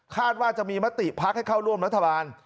ว่าจะมีมติพักให้เข้าร่วมรัฐบาล